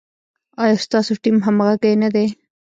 ایا ستاسو ټیم همغږی نه دی؟